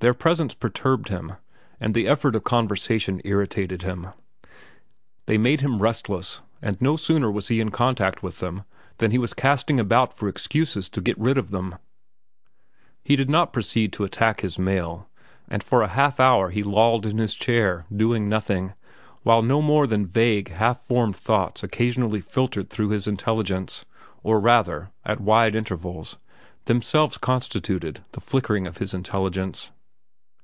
Their presence perturbed him, and the effort of conversation irritated him. They made him restless, and no sooner was he in contact with them than he was casting about for excuses to get rid of them. He did not proceed to attack his mail, and for a half hour he lolled in his chair, doing nothing, while no more than vague, half formed thoughts occasionally filtered through his intelligence, or rather, at wide intervals, themselves constituted the flickering of his intelligence.